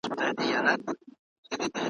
هم پخپله څاه کینو هم پکښي لوېږو ,